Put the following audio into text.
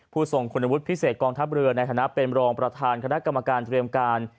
ทรงคุณวุฒิพิเศษกองทัพเรือในฐานะเป็นรองประธานคณะกรรมการเตรียมการ